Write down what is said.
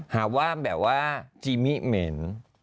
หาว่าแบบว่าจีมิเหม็น